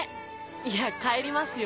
いや帰りますよ。